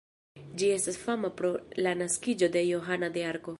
Ĝi estas fama pro la naskiĝo de Johana de Arko.